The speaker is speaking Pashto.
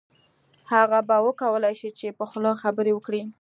هغه به وکولای شي چې په خوله خبرې وکړي